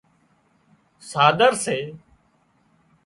ساۮر سي